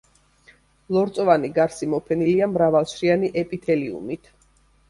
ლორწოვანი გარსი მოფენილია მრავალშრიანი ეპითელიუმით.